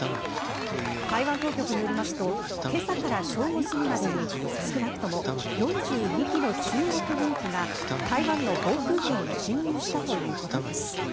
台湾当局によりますと今朝から正午過ぎまでに少なくとも４２機の中国軍機が台湾の防空圏に進入したということです。